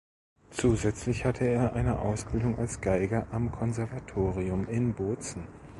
Zusätzlich hatte er eine Ausbildung als Geiger am Konservatorium in Bozen.